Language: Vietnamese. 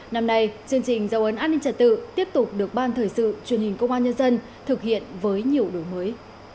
năm nay chương trình dấu ấn an ninh trật tự tiếp tục được ban thời sự truyền hình công an nhân dân thực hiện với nhiều đổi mới